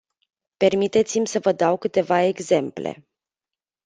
Permiteți-mi să vă dau câteva exemple.